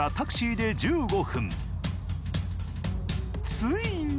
ついに。